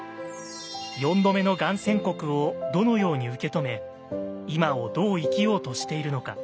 ４度目のがん宣告をどのように受け止め今をどう生きようとしているのか。